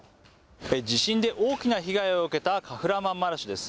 地震で大きな被害を受けたカフラマンマラシュです。